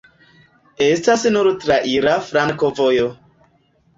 Estas nur traira flankovojo.